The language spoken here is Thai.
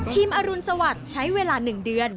ทีมอรุณสวัสดิ์ใช้เวลาหนึ่งเดือน